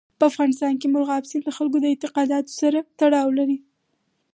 په افغانستان کې مورغاب سیند د خلکو د اعتقاداتو سره تړاو لري.